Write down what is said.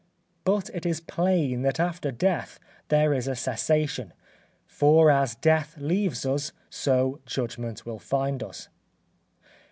But it is plain that after death there is a cessation; for as death leaves us so judgment will find us.